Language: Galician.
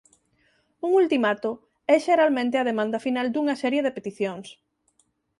Un ultimato é xeralmente a demanda final dunha serie de peticións.